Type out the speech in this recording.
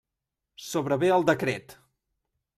Sobrevé el decret.